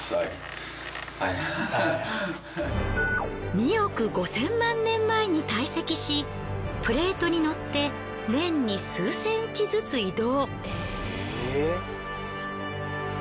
２億５０００万年前に堆積しプレートにのって年に数センチずつ移動。